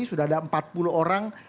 sudah ada empat puluh orang